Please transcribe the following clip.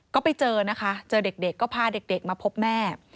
ก็ไปเจอนะคะเจอเด็กก็พาเด็กมาพบแม่